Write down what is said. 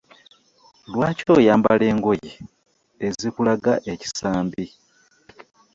Lwaki oyambala engoye ezikulaga ekisambi?